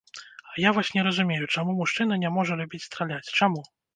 А я вось не разумею, чаму мужчына не можа любіць страляць, чаму?